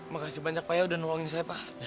makasih banyak pak ya udah nuangin saya pak